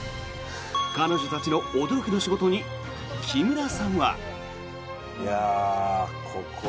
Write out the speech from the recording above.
彼女たちの驚きの仕事に木村さんは。